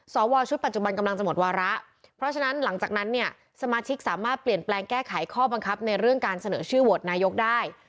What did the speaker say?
สวชุดปัจจุบันกำลังจะหมดวาระเพราะฉะนั้นหลังจากนั้นเนี่ยสมาชิกสามารถเปลี่ยนแปลงแก้ไขข้อบังคับในเรื่องการเสนอชื่อโหวตนายกได้